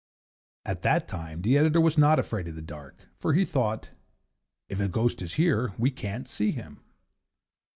At that time the Editor was not afraid of the dark, for he thought, 'If a ghost is here, we can't see him.